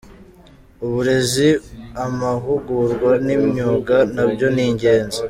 Uburezi, amahugurwa y’imyuga nabyo ni ingenzi.